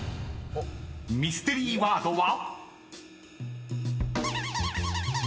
［ミステリーワードは］